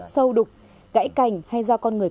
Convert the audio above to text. sâu đục gãy cành hay do con người